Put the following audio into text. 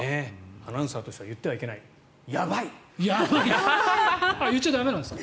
アナウンサーとしては言ってはいけない言っちゃ駄目なんですか？